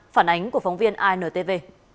phản ánh của phóng viên intv